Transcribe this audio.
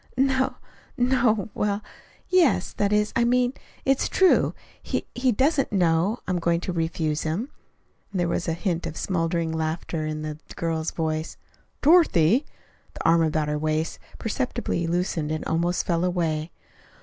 "N no er well, yes. That is, I mean, it's true. He he doesn't know I am going to refuse him." There was a hint of smothered laughter in the girl's voice. "Dorothy!" The arm about her waist perceptibly loosened and almost fell away.